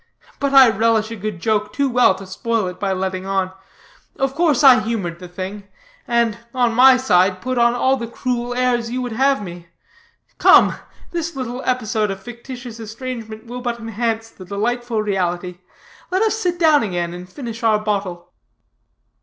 But I relish a good joke too well to spoil it by letting on. Of course, I humored the thing; and, on my side, put on all the cruel airs you would have me. Come, this little episode of fictitious estrangement will but enhance the delightful reality. Let us sit down again, and finish our bottle."